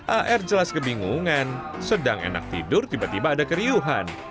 ar jelas kebingungan sedang enak tidur tiba tiba ada keriuhan